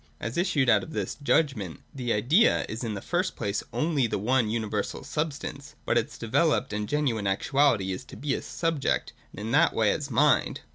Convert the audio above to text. As issued out of this 'judgment ' the Idea is in the first place only the one universal substance : but its developed and genuine actuality is to be as a subject and in that way as mind.